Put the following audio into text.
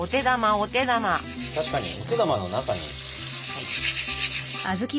確かにお手玉の中に。